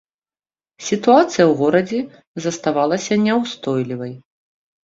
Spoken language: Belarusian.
Сітуацыя ў горадзе заставалася няўстойлівай.